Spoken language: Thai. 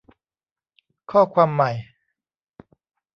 ข้อความใหม่